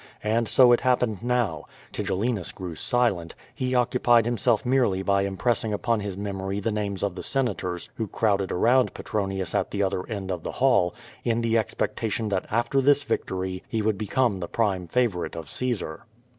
And so it happened now. Tigellinus grew silent; he occupied himself merely by impressing upon his memory the names of the Senators who crowded around Petronius at the other end of the hall, in the expectation that after this victory he would become the prime favorite of Caesar.